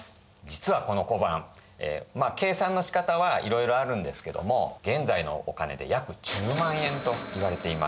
実はこの小判まあ計算のしかたはいろいろあるんですけども現在のお金で約１０万円といわれています。